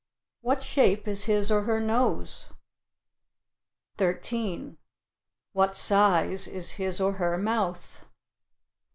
What shape is his or her nose? 13. What size is his or her mouth?